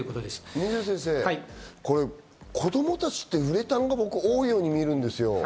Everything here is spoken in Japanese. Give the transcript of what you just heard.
水野先生、子供たちってウレタンが多いように思うんですよ。